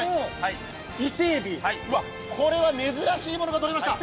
これは珍しいものがとれました。